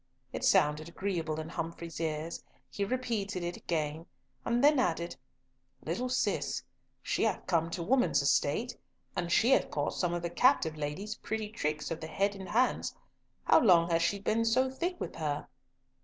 It sounded agreeable in Humfrey's ears; he repeated it again, and then added "Little Cis! she hath come to woman's estate, and she hath caught some of the captive lady's pretty tricks of the head and hands. How long hath she been so thick with her?"